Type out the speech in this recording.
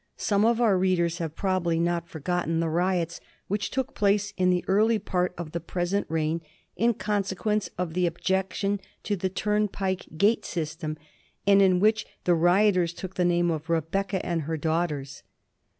Some of our readers have probably not forgotten the riots which took place in the early part of the present reign, in consequence of the objection to the turnpike gate system, and in which the rioters took the name of '^ Rebecca and her daughters."